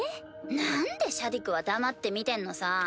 なんでシャディクは黙って見てんのさ？